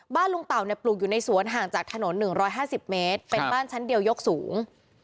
ลุงเต่าปลูกอยู่ในสวนห่างจากถนน๑๕๐เมตรเป็นบ้านชั้นเดียวยกสูง